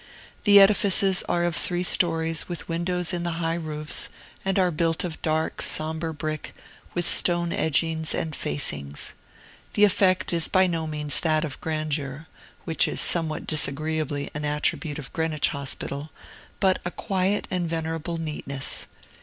The edifices are of three stories with windows in the high roofs, and are built of dark, sombre brick, with stone edgings and facings. The effect is by no means that of grandeur (which is somewhat disagreeably an attribute of Greenwich Hospital), but a quiet and venerable neatness.